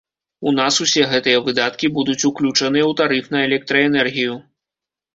У нас усе гэтыя выдаткі будуць уключаныя ў тарыф на электраэнергію.